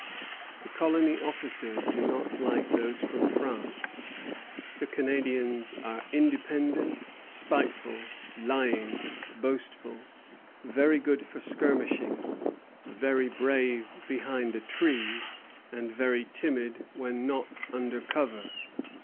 The colony officers do not like those from France. The Canadians are independent, spiteful, lying, boastful; very good for skirmishing, very brave behind a tree, and very timid when not under cover.